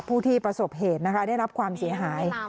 ผู้ที่ประสบเหตุนะคะได้รับความเสียหาย